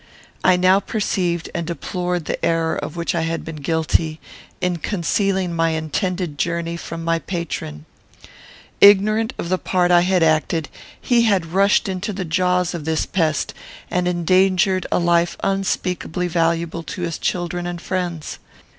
I now perceived and deplored the error of which I had been guilty, in concealing my intended journey from my patron. Ignorant of the part I had acted, he had rushed into the jaws of this pest, and endangered a life unspeakably valuable to his children and friends.